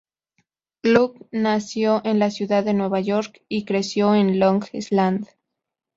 Gluck nació en la ciudad de Nueva York y creció en Long Island.